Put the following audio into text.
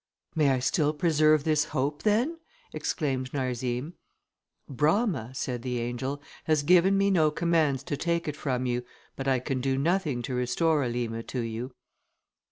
"May I still preserve this hope then?" exclaimed Narzim. "Brama," said the angel, "has given me no commands to take it from you, but I can do nothing to restore Elima to you."